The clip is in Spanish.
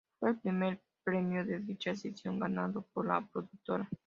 Fue el primer premio de dicha sección ganado por la productora.